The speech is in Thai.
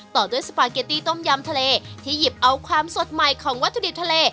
ต่อด้วยสปาเกตตี้ต้มยำทะเลที่หยิบเอาความสดใหม่ของวัตถุดิบทะเล